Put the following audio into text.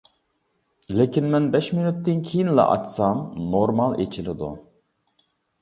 لېكىن مەن بەش مىنۇتتىن كېيىنلا ئاچسام نورمال ئېچىلىدۇ.